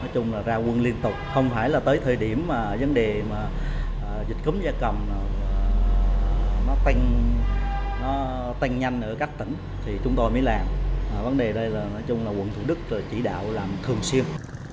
chúng tôi mới làm vấn đề đây là quận thủ đức chỉ đạo làm thường xuyên